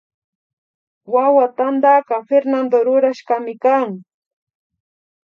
Wawa tantaka Fernada rurashkami kan